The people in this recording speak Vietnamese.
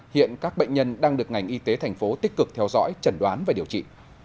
hiện các bệnh nhân đang được ngành y tế thành phố tích cực theo dõi chẩn đoán và điều trị